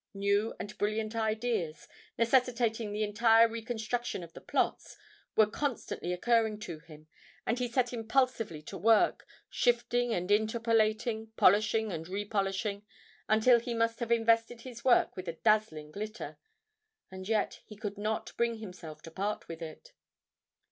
New and brilliant ideas, necessitating the entire reconstruction of the plots, were constantly occurring to him, and he set impulsively to work, shifting and interpolating, polishing and repolishing, until he must have invested his work with a dazzling glitter and yet he could not bring himself to part with it.